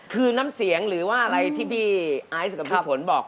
คือน้ำเสียงหรือว่าอะไรที่พี่ไอซ์กับพี่ฝนบอก